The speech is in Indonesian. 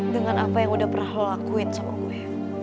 dengan apa yang udah pernah lo lakuin sama gue